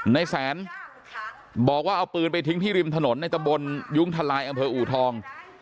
ในแสนบอกว่าเอาปืนไปทิ้งที่ริมถนนในตะบนยุ้งทลายอำเภออูทอง